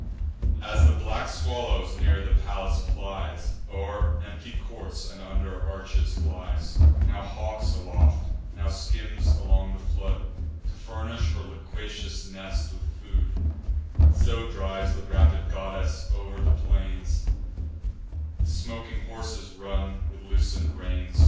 As the black swallow near the palace plies; O'er empty courts, and under arches, flies; Now hawks aloft, now skims along the flood, To furnish her loquacious nest with food: So drives the rapid goddess o'er the plains; The smoking horses run with loosen'd reins.